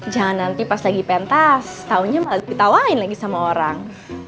jangan nanti pas lagi pentas taunya malah ditawain lagi sama orang